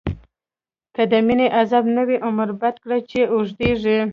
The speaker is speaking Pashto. که دمينی عذاب نه وی، عمر بد کړی چی اوږديږی